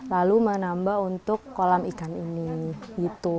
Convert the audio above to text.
lalu menambah untuk kolam ikan ini gitu